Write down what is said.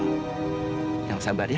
menjenguknya juga se pouch nya